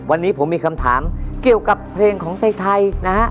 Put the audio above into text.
วันนี้ผมมีคำถามเกี่ยวกับเพลงของไทยนะฮะ